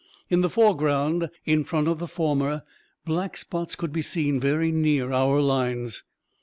In the foreground, in front of the former, black spots could be seen very near our lines.